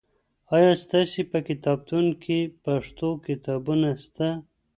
آیا ستاسې په کتابتون کې پښتو کتابونه سته؟